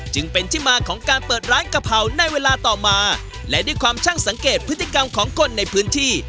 จึงเป็นที่มาของการเปิดร้านกะเพราในเวลาต่อมาและด้วยความช่างสังเกตพฤติกรรมของคนในพื้นที่